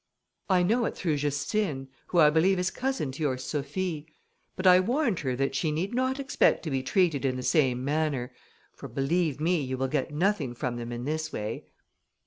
"I know it through Justine, who I believe is cousin to your Sophie; but I warned her that she need not expect to be treated in the same manner; for, believe me, you will get nothing from them in this way."